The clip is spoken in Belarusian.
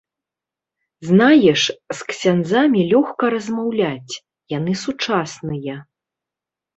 Знаеш, з ксяндзамі лёгка размаўляць, яны сучасныя.